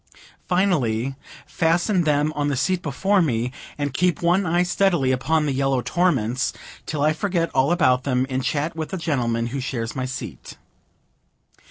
Finally, fasten them on the seat before me, and keep one eye steadily upon the yellow torments, till I forget all about them, in chat with the gentleman who shares my seat.